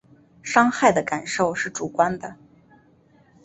伤害的感受是主观的